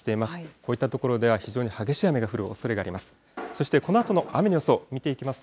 こういった所では非常に激しい雨が降るおそれがあります。